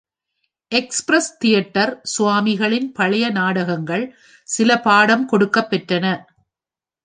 Empress Theatre சுவாமிகளின் பழைய நாடகங்கள் சில பாடம் கொடுக்கப் பெற்றன.